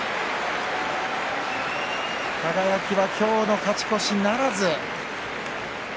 輝は今日の勝ち越しならず。